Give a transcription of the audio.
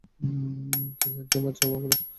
কি হ্যাঁন্ডসাম বাচ্চা হবে আমাদের!